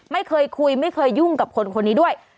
ไม่เคยคุยไม่เคยยุ่งกับคนคนนี้ด้วย